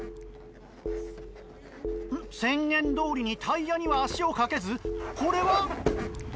宣言どおりにタイヤには足をかけずこれは？